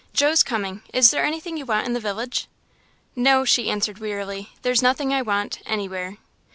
"Joe's coming; is there anything you want in the village?" "No," she answered, wearily, "there's nothing I want anywhere."